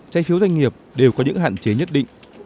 trái phiếu doanh nghiệp đều có những hạn chế nhất định